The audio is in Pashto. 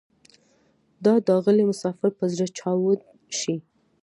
دا داغلی مسافر به زره چاود شي